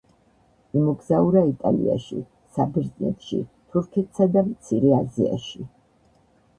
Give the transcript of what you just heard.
იმოგზაურა იტალიაში, საბერძნეთში, თურქეთსა და მცირე აზიაში.